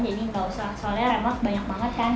jadi gak usah soalnya remote banyak banget kan